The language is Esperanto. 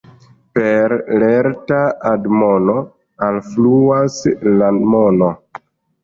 Per lerta admono alfluas la mono.